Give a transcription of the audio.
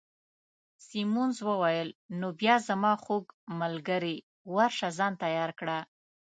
سیمونز وویل: نو بیا زما خوږ ملګرې، ورشه ځان تیار کړه.